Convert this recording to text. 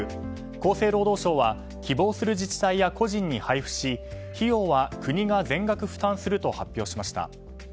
厚生労働省は希望する自治体や個人に配布し、費用は国が全額負担すると発表しました。